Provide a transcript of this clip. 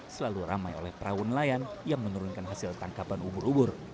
selalu ramai oleh perahu nelayan yang menurunkan hasil tangkapan ubur ubur